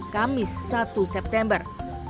kamis satu september